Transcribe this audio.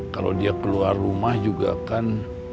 kalau dia keluar rumah juga kan